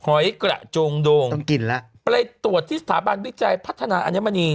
หอยกระโจงโดงกินแล้วไปตรวจที่สถาบันวิจัยพัฒนาอัญมณี